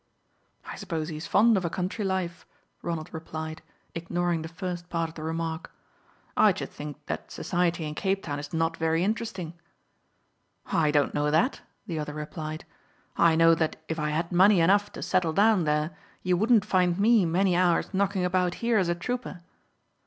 "I suppose he is fond of a country life," Ronald replied, ignoring the first part of the remark; "I should think that society in Cape Town is not very interesting." "I don't know that," the other replied. "I know that if I had money enough to settle down there you wouldn't find me many hours knocking about here as a trooper."